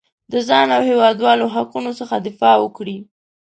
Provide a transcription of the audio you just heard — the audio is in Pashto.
د ځان او هېوادوالو حقونو څخه دفاع وکړي.